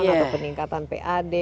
atau peningkatan pad